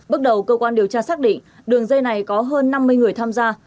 bước đầu cơ quan điều tra xác định đường dây này có hơn năm mươi người tham gia